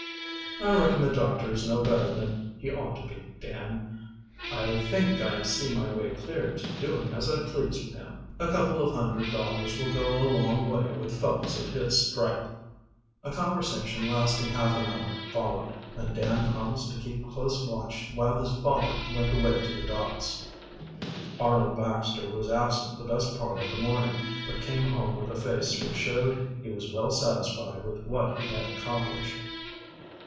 "I reckon the doctor is no better than he ought to be, Dan. I think I see my way clear to doing as I please with him. A couple of hundred dollars will go a long way with fellows of his stripe." A conversation lasting half an hour followed, and Dan promised to keep close watch while his father went away to the docks. Arnold Baxter was absent the best part of the morning, but came home with a face which showed he was well satisfied with what he had accomplished.